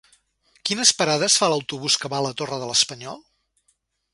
Quines parades fa l'autobús que va a la Torre de l'Espanyol?